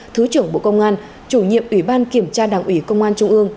thứ trưởng bộ công an chủ nhiệm ủy ban kiểm tra đảng ủy công an trung ương